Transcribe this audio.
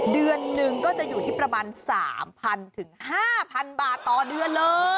เดือนหนึ่งก็จะอยู่ที่ประมาณ๓๐๐๕๐๐บาทต่อเดือนเลย